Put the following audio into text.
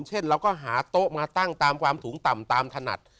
เช่นเราก็หาโต๊ะมาตั้งตามความสูงต่ำตามถนัด